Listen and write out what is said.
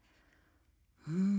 うん。